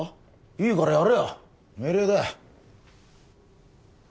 いいからやれよ命令だよ